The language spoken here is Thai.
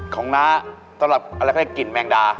ของน้าต้องกินแมงดา